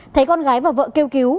thấy con gái và vợ kêu cứu